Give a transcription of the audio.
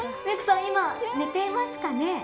未来さん、今寝ていますかね？